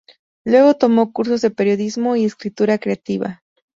Luego tomó cursos de periodismo y escritura creativa.